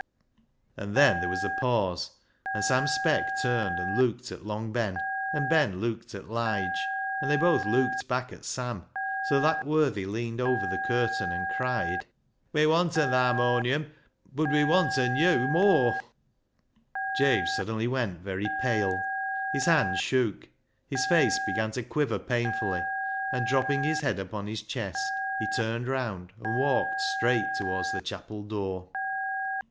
And then there was a pause, and Sam Speck turned and looked at Long Ben, and Ben looked at Lige, and they both looked back at Sam, and so that worthy leaned over the curtain and cried —" We wanten th' harmonion, bud we wanten yo' viooar." Jabe suddenly went very pale, his hand shook, his face began to quiver painfully, and THE HARMONIUM 369 dropping his head upon his chest, he turned round and walked straight towards the chapel door.